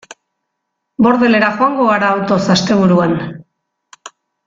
Bordelera joango gara autoz asteburuan.